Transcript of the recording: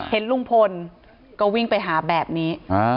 เห็นลุงพลก็วิ่งไปหาแบบนี้